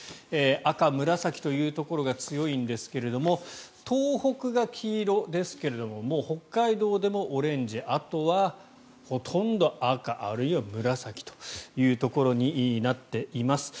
赤、紫というところが強いんですけれども東北が黄色ですけれど北海道でもオレンジあとはほとんど赤、あるいは紫というところになっています。